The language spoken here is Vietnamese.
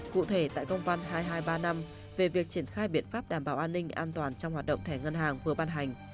cụ thể tại công văn hai nghìn hai trăm ba mươi năm về việc triển khai biện pháp đảm bảo an ninh an toàn trong hoạt động thẻ ngân hàng vừa ban hành